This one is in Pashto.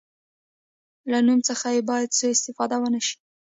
له نوم څخه باید سوء استفاده ونه شي.